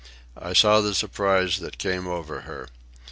I saw the surprise that came over her.